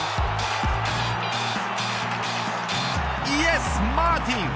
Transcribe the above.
イエス、マーティン。